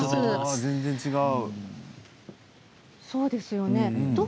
全然違う。